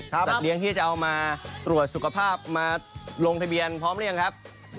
สัตว์เลี้ยงที่จะเอามาตรวจสุขภาพมาลงทะเบียนพร้อมหรือยังครับ